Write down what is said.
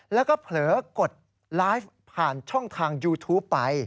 แล้วก็เผลอกดไลฟ์ผ่านช่องทางยูทูปไป